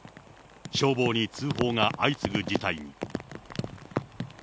消防に通報が相次ぐ事態に。